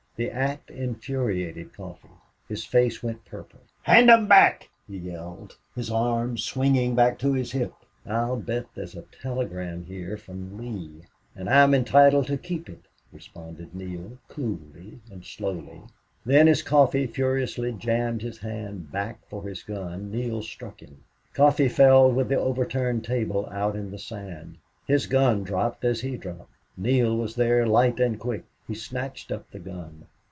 The act infuriated Coffee. His face went purple. "Hand 'em back!" he yelled, his arm swinging back to his hip. "I'll bet there's a telegram here from Lee, and I'm entitled to keep it," responded Neale, coolly and slowly. Then as Coffee furiously jammed his hand back for his gun Neale struck him. Coffee fell with the overturned table out in the sand. His gun dropped as he dropped. Neale was there light and quick. He snatched up the gun.